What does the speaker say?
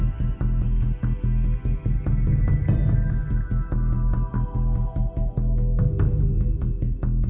คนที่อยู่ในเธอก็จะมีอาการที่จะต้องทำมาให้เขาเชื่อ